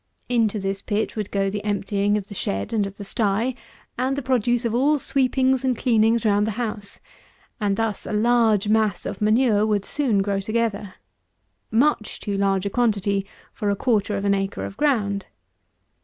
Into this pit would go the emptying of the shed and of the sty, and the produce of all sweepings and cleanings round the house; and thus a large mass of manure would soon grow together. Much too large a quantity for a quarter of an acre of ground.